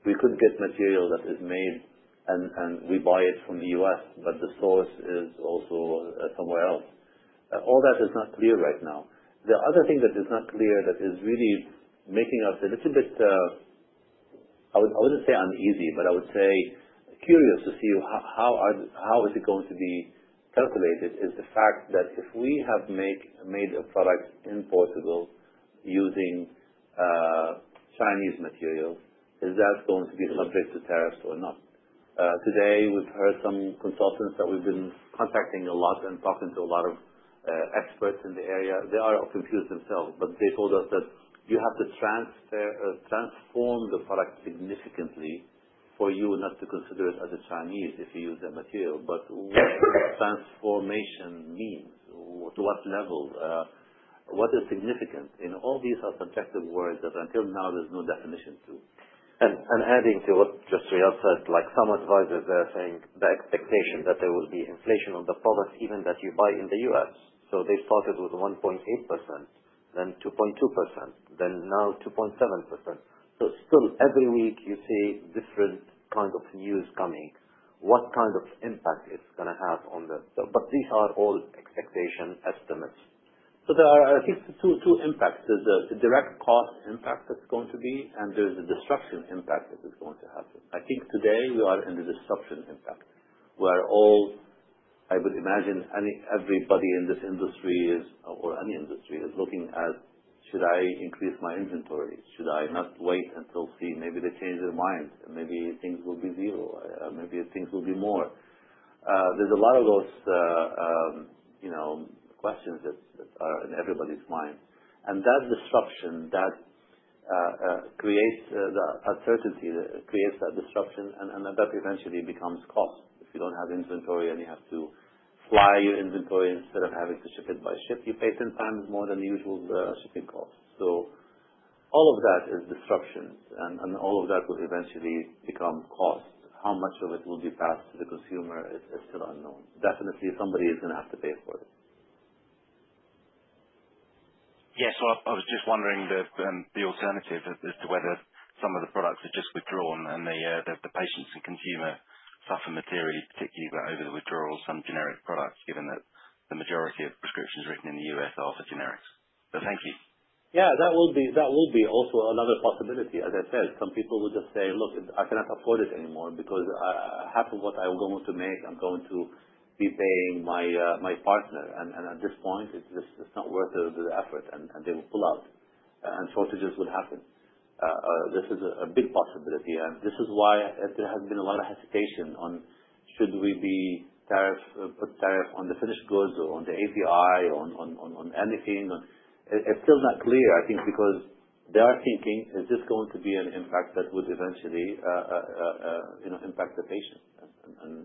We could get material that is made, and we buy it from the U.S., but the source is also somewhere else. All that is not clear right now. The other thing that is not clear that is really making us a little bit, I would not say uneasy, but I would say curious to see how is it going to be calculated, is the fact that if we have made a product in Portugal using Chinese materials, is that going to be subject to tariffs or not? Today, we have heard some consultants that we have been contacting a lot and talking to a lot of experts in the area. They are confused themselves, but they told us that you have to transform the product significantly for you not to consider it as a Chinese if you use that material. What does transformation mean? To what level? What is significant? All these are subjective words that until now there is no definition to. Adding to what just Riad said, some advisors are saying the expectation that there will be inflation on the product, even that you buy in the U.S.. They started with 1.8%, then 2.2%, then now 2.7%. Still, every week, you see different kinds of news coming. What kind of impact is it going to have on the but these are all expectation estimates. There are, I think, two impacts. There is a direct cost impact that is going to be, and there is a destruction impact that is going to happen. I think today we are in the destruction impact, where all, I would imagine, everybody in this industry is, or any industry, is looking at, "Should I increase my inventory? Should I not wait until see?" Maybe they change their mind. Maybe things will be zero. Maybe things will be more. are a lot of those questions that are in everybody's mind. That destruction, that creates the uncertainty, creates that destruction, and that eventually becomes cost. If you do not have inventory and you have to fly your inventory instead of having to ship it by ship, you pay 10x more than the usual shipping cost. All of that is destruction. All of that will eventually become cost. How much of it will be passed to the consumer is still unknown. Definitely, somebody is going to have to pay for it. Yes. I was just wondering the alternative as to whether some of the products are just withdrawn and the patients and consumer suffer materially, particularly over the withdrawal of some generic products, given that the majority of prescriptions written in the U.S. are for generics. So thank you. Yeah. That will be also another possibility. As I said, some people will just say, "Look, I cannot afford it anymore because half of what I'm going to make, I'm going to be paying my partner." At this point, it's not worth the effort, and they will pull out. Shortages will happen. This is a big possibility. This is why there has been a lot of hesitation on should we put tariff on the finished goods or on the API or on anything. It's still not clear, I think, because they are thinking, "Is this going to be an impact that would eventually impact the patient?"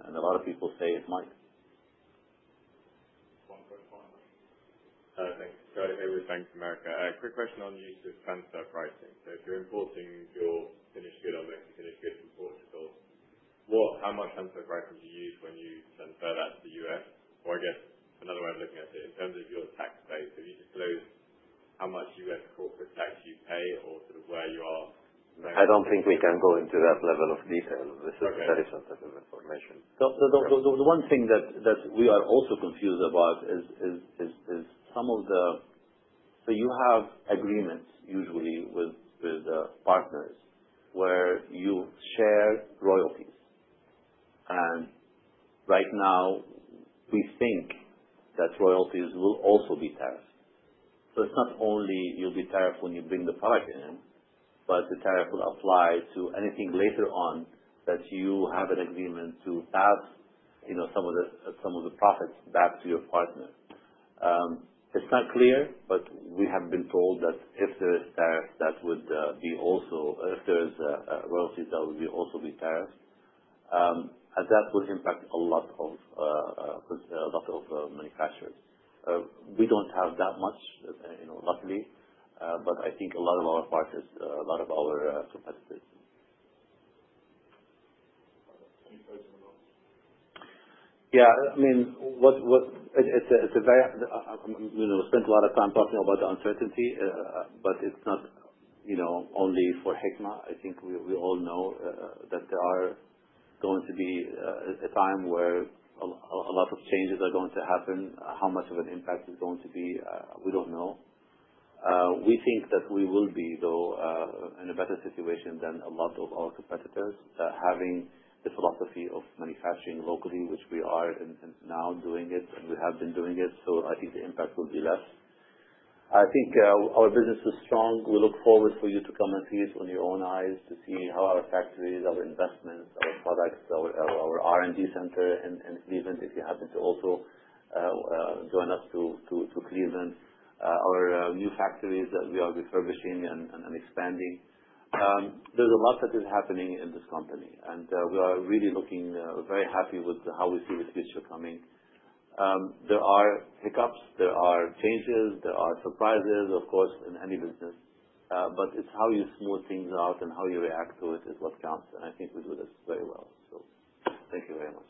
A lot of people say it might. One question on that. Thanks, Charlie Haywood Bank of America. Quick question on the use of transfer pricing. If you're importing your finished good or make the finished goods from Portugal, how much transfer pricing do you use when you transfer that to the U.S.? I guess another way of looking at it, in terms of your tax base, have you disclosed how much U.S. corporate tax you pay or sort of where you are? I don't think we can go into that level of detail. This is very sensitive information. The one thing that we are also confused about is some of the, you have agreements, usually, with partners where you share royalties. Right now, we think that royalties will also be tariffed. It's not only you'll be tariffed when you bring the product in, but the tariff will apply to anything later on that you have an agreement to pass some of the profits back to your partner. It's not clear, but we have been told that if there is tariff, that would be also if there is a royalty, that would also be tariffed. That will impact a lot of manufacturers. We don't have that much, luckily, but I think a lot of our partners, a lot of our competitors. Yeah. I mean, we spent a lot of time talking about the uncertainty, but it's not only for Hikma. I think we all know that there are going to be a time where a lot of changes are going to happen. How much of an impact it's going to be, we don't know. We think that we will be, though, in a better situation than a lot of our competitors, having the philosophy of manufacturing locally, which we are now doing it, and we have been doing it. I think the impact will be less. I think our business is strong. We look forward for you to come and see it with your own eyes, to see how our factories, our investments, our products, our R&D center in Cleveland, if you happen to also join us to Cleveland, our new factories that we are refurbishing and expanding. There is a lot that is happening in this company. We are really looking very happy with how we see the future coming. There are hiccups. There are changes. There are surprises, of course, in any business. It is how you smooth things out and how you react to it is what counts. I think we do this very well. Thank you very much.